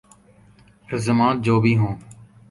الزامات جو بھی ہوں۔